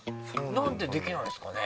なんでできないんですかね？